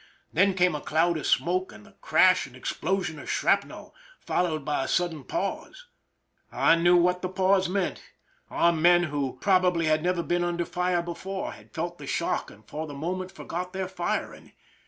Then came a cloud of smoke and the crash and explosion of shrapnel, followed by a sudden pause. I knew what the pause meant. Our men, who probably 271 THE SINKING OF THE "MEEEIMAC" had never been under fire before, had felt the shock and for the moment forgot their firing.